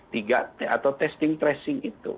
tiga t atau testing tracing itu